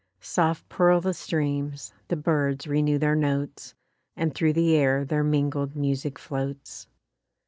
Soft purl the streams, the birds renew their notes, And through the air their mingled music floats.